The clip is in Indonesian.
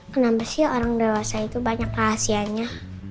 kenapa sih orang dewasa itu banyak rahasianya